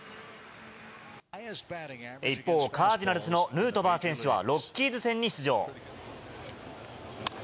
一方、カージナルスのヌートバー選手はロッキーズ戦に出場。